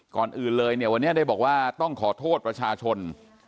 ก่อนอื่นเลยเนี่ยวันนี้ได้บอกว่าต้องขอโทษประชาชน